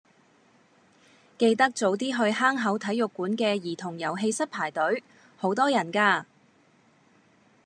記得早啲去坑口體育館嘅兒童遊戲室排隊，好多人㗎。